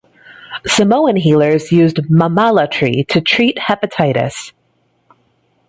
Samoan healers use the mamala tree to treat hepatitis.